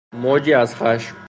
موجی از خشم